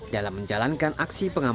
dalam menjalankan aksi pekerjaan